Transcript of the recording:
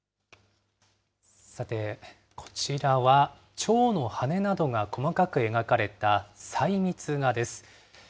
さて、こちらは、チョウの羽などが細かく描かれた細密画です。